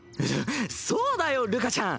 そそうだよるかちゃん。